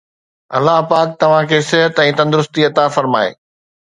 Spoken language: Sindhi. الله پاڪ توهان کي صحت ۽ تندرستي عطا فرمائي.